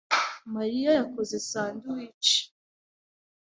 Mariya yakoze sandwiches.